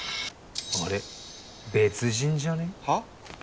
あれ別人じゃね？